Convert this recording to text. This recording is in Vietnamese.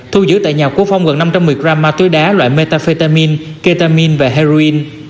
thu giữ tại nhà của phong gần năm trăm một mươi gram ma túy đá loại metafetamin ketamin và heroin